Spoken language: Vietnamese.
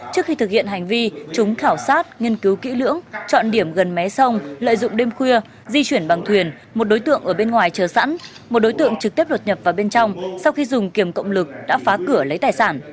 trước khi thực hiện hành vi chúng khảo sát nghiên cứu kỹ lưỡng chọn điểm gần mé sông lợi dụng đêm khuya di chuyển bằng thuyền một đối tượng ở bên ngoài chờ sẵn một đối tượng trực tiếp đột nhập vào bên trong sau khi dùng kiềm cộng lực đã phá cửa lấy tài sản